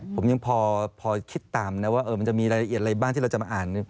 ผมยังพอคิดตามนะว่ามันจะมีรายละเอียดอะไรบ้างที่เราจะมาอ่าน